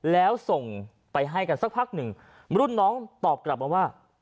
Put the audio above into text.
แล้วส่งไปให้กันสักพักหนึ่งรุ่นน้องตอบกลับมาว่า